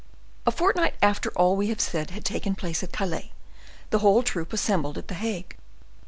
A fortnight after all we have said had taken place at Calais, the whole troop assembled at the Hague.